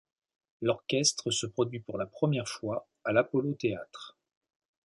L'orchestre se produit pour la première fois à l'Apollo theatre.